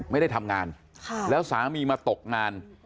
ไม่ได้ทำงานแล้วสามีมาตกงาน